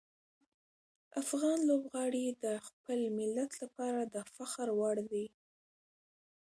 افغان لوبغاړي د خپل ملت لپاره د فخر وړ دي.